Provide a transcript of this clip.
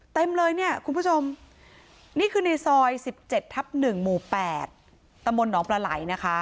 เต็มเลยเนี่ยคุณผู้ชมนี่คือในซอย๑๗ทับ๑หมู่๘ตำบลหนองปลาไหลนะคะ